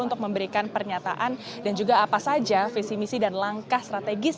untuk memberikan pernyataan dan juga apa saja visi misi dan langkah strategis